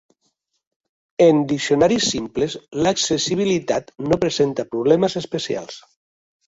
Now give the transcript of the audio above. En diccionaris simples l'accessibilitat no presenta problemes especials.